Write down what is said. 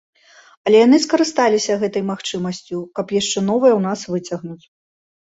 Але яны скарысталіся гэтай магчымасцю, каб яшчэ новае ў нас выцягнуць.